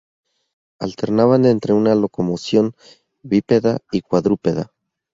Alternaban entre una locomoción bípeda y cuadrúpeda.